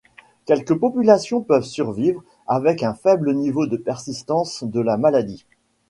Quelques populations peuvent survivre avec un faible niveau de persistance de la maladie.